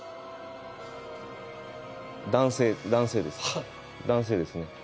男性男性ですね。